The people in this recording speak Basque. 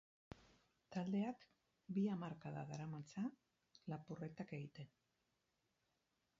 Taldeak bi hamarkada daramatza lapurretak egiten.